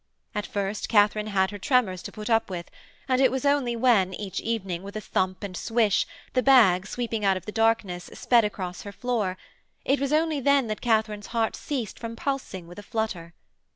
At first, Katharine had her tremors to put up with and it was only when, each evening, with a thump and swish, the bag, sweeping out of the darkness, sped across her floor it was only then that Katharine's heart ceased from pulsing with a flutter.